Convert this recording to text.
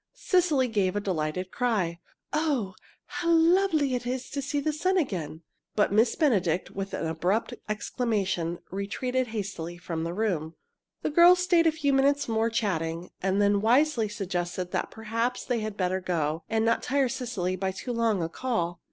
Cecily gave a delighted cry, "Oh, how lovely it is to see the sun again!" But Miss Benedict, with an abrupt exclamation, retreated hastily from the room. The girls stayed a few moments more, chatting. Then they wisely suggested that perhaps they had better go, and not tire Cecily by too long a call.